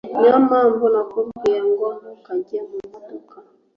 niyo mpamvu nakubwiye ngo ntukajye mu modoka